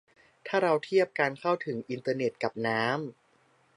ถ้าเราเทียบการเข้าถึงอินเทอร์เน็ตกับน้ำ